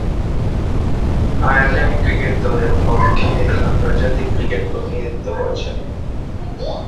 Ireland cricket দলের পক্ষে আন্তর্জাতিক ক্রিকেটে প্রতিনিধিত্ব করছেন।